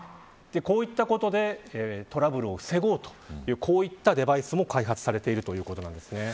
こういったことでトラブルを防ごうというデバイスも開発されているということです。